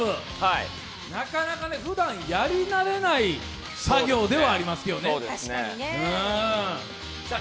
なかなかふだんやりなれない作業ではありますよね。